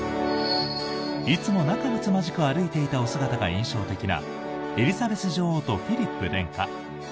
いつも仲むつまじく歩いていたお姿が印象的なエリザベス女王とフィリップ殿下。